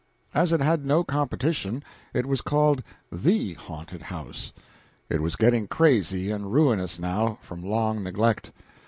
As it had no competition, it was called the haunted house. It was getting crazy and ruinous, now, from long neglect.